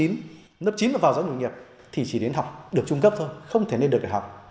lớp chín và vào giáo dục nghiệp thì chỉ đến học được trung cấp thôi không thể nên được để học